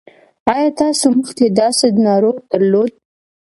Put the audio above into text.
ایا تاسو مخکې داسې ناروغ درلود؟